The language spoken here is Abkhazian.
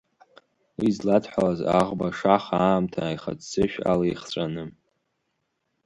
Уи изладҳәалаз аӷбашаха аамҭа аихаццышә ала ихҵәаны.